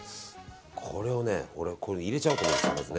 これをここに入れちゃおうと思うんですよね。